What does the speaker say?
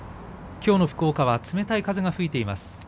きょうの福岡は冷たい風が吹いています。